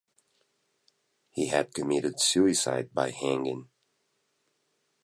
He had committed suicide by hanging.